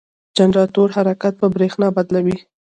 جنراتور حرکت په برېښنا بدلوي.